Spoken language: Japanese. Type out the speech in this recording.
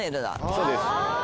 そうです。